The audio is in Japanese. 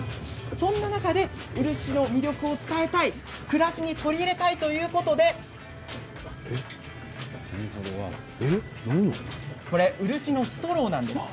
そんな中で漆の魅力を伝えたい暮らしに取り入れたいということでこれは漆のストローなんです。